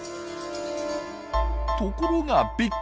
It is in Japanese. ところがびっくり。